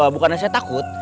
bukannya saya takut